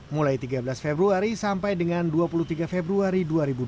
mulai tiga belas februari sampai dengan dua puluh tiga februari dua ribu dua puluh